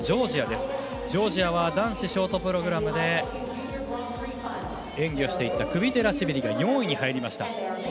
ジョージアは男子ショートプログラムで演技していったクビテラシビリが４位に入りました。